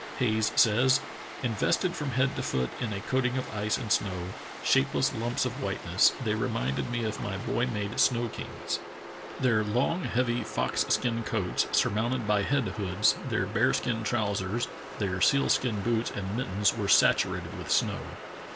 Hayes says: "Invested from head to foot in a coating of ice and snow, shapeless lumps of whiteness, they reminded me of my boy made snow kings. Their long, heavy fox skin coats, surmounted by head hoods, their bear skin trousers, their seal skin boots and mittens were saturated with snow.